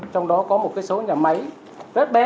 trong đó có một cái số nhà máy rất bé năm trăm linh một nghìn